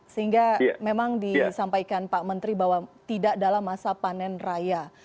sehingga memang disampaikan pak menteri bahwa tidak dalam masa panen raya